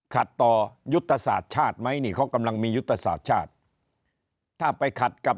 ขัดต่อยุธศาสตร์ชาติไหมนี่เขากำลังมียุธศาสตร์ชาติ